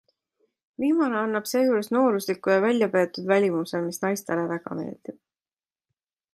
Viimane annab seejuures noorusliku ja väljapeetud välimuse, mis naistele väga meeldib.